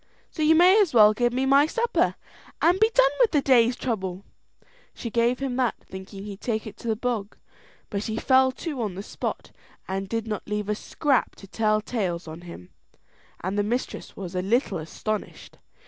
So you may as well give me my supper, and be done with the day's trouble." She gave him that, thinking he'd take it to the bog; but he fell to on the spot, and did not leave a scrap to tell tales on him; and the mistress was a little astonished.